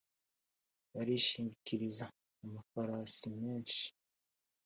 Barishingikiriza amafarasi menshi